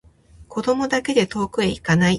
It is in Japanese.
子供だけで遠くへいかない